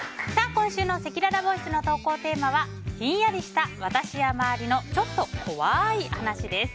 今週のせきららボイスの投稿テーマはヒンヤリした私や周りのちょっと怖い話です。